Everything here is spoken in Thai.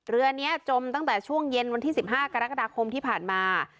เรือนี้จมตั้งแต่ช่วงเย็นวันที่๑๕กรกฎาคมที่ผ่านมา